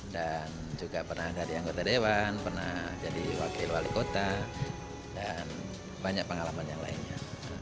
dan juga pernah jadi anggota dewan pernah jadi wakil wali kota dan banyak pengalaman yang lainnya